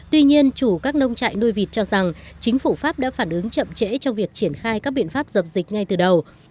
tuy nhiên chủ các nông trại nuôi vịt cho rằng chính phủ pháp đã phản ứng chậm trễ trong việc triển khai các biện pháp dập dịch ngay từ đầu